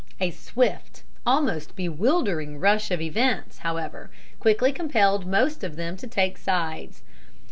A swift, almost bewildering rush of events, however, quickly compelled most of them to take sides.